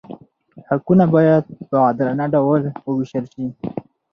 حقونه باید په عادلانه ډول وویشل شي.